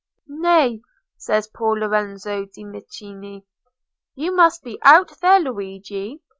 'Nay,' says poor Lorenzo de' Medici, 'you must be out there, Luigi.